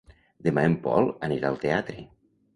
Demà en Pol anirà al teatre.